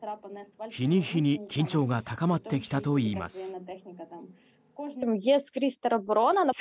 日に日に緊張が高まってきたといいます。